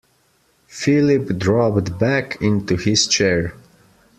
Philip dropped back into his chair.